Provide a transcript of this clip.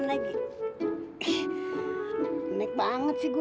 ya kelihatan lagi